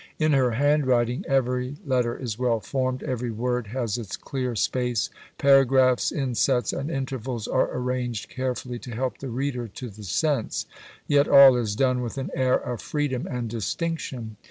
In her handwriting every letter is well formed, every word has its clear space: paragraphs, insets, and intervals are arranged carefully to help the reader to the sense; yet all is done with an air of freedom and distinction.